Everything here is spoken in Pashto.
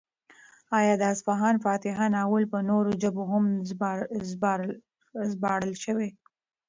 ایا د اصفهان فاتح ناول په نورو ژبو هم ژباړل شوی؟